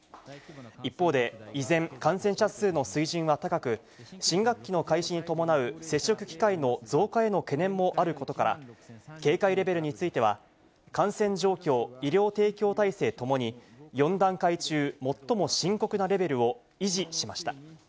一方で、依然、感染者数の水準は高く、新学期の開始に伴う、接触機会の増加への懸念もあることから、警戒レベルについては、感染状況・医療提供体制ともに４段階中最も深刻なレベルを維持しました。